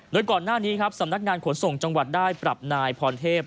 โดยก่อนหน้านี้ครับสำนักงานขนส่งจังหวัดได้ปรับนายพรเทพ